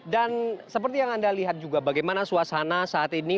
dan seperti yang anda lihat juga bagaimana suasana saat ini